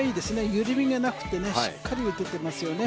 緩みがなくてしっかり打てていますね。